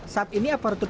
saat ini apa rutuknya